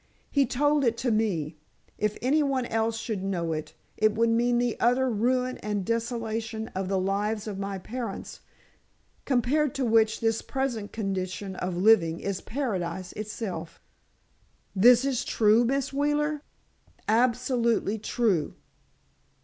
He told it to me. If any one else should know it, it would mean the utter ruin and desolation of the lives of my parents, compared to which this present condition of living is Paradise itself!" "This is true, Miss Wheeler?" "Absolutely true.